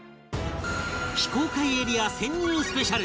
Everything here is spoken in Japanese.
非公開エリア潜入スペシャル